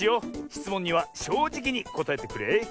しつもんにはしょうじきにこたえてくれ。